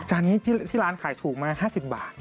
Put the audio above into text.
จานนี้ที่ร้านขายถูกมา๕๐บาท